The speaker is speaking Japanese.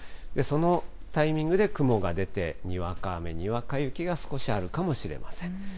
そのタイミングで雲が出て、にわか雨、にわか雪が少しあるかもしれません。